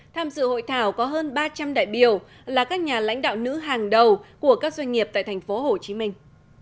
tham dự hội thảo có hơn ba trăm linh đại biểu là các nhà lãnh đạo nữ hàng đầu của các doanh nghiệp tại thành phố hồ chí minh